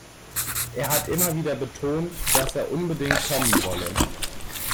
Er hat immer wieder betont, dass er unbedingt kommen wolle.